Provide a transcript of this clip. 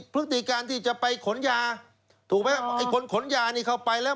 พฤติการที่จะไปขนยาถูกไหมไอ้คนขนยานี่เข้าไปแล้ว